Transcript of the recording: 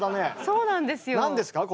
そうなんですよ。